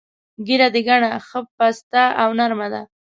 ږیره دې ګڼه، ښه پسته او نر مه ده.